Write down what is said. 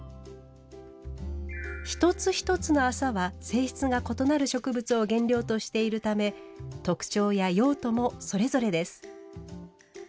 一つ一つの麻は性質が異なる植物を原料としているため特徴や用途もそれぞれです。